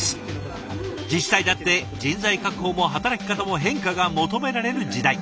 自治体だって人材確保も働き方も変化が求められる時代。